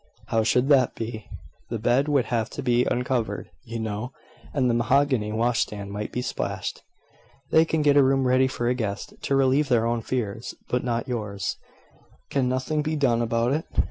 "How should that be?" "The bed would have to be uncovered, you know; and the mahogany wash stand might be splashed." "They can get a room ready for a guest, to relieve their own fears, but not yours. Can nothing be done about it?"